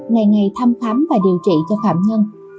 ngày ngày thăm khám và điều trị cho phạm nhân